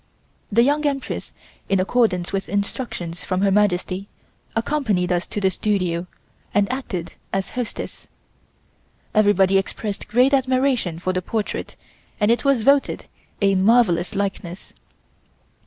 The Young Empress in accordance with instructions from Her Majesty, accompanied us to the studio, and acted as hostess. Everybody expressed great admiration for the portrait and it was voted a marvellous likeness.